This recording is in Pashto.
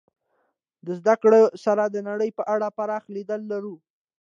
د زدهکړې سره د نړۍ په اړه پراخ لید لرو.